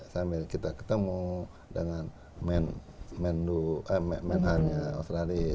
sambil kita ketemu dengan menhan nya australia